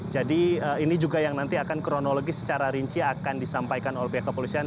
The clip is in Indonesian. jadi ini juga yang nanti akan kronologis secara rinci akan disampaikan oleh pihak kepolisian